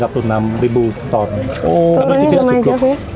oh turunnya lumayan jauh